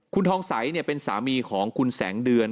คุณทองใสเป็นสามีของคุณแสงเดือน